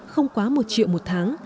không quá một triệu một tháng